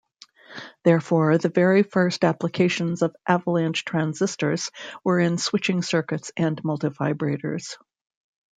Therefore the very first applications of avalanche transistors were in switching circuits and multivibrators.